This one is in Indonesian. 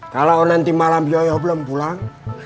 kalau nanti malam yoyo belum pulang